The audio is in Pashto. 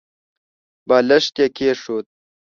بالښت يې کېښود.